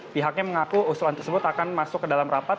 pihaknya mengaku usulan tersebut akan masuk ke dalam rapat